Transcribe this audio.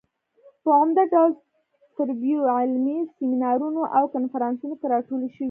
په عمده ډول تربیوي علمي سیمینارونو او کنفرانسونو کې راټولې شوې.